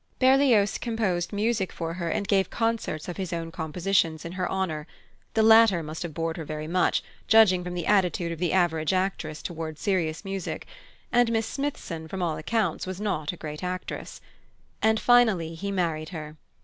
Berlioz composed music for her and gave concerts of his own compositions in her honour (the latter must have bored her very much, judging from the attitude of the average actress towards serious music and Miss Smithson, from all accounts, was not a great actress); and finally he married her.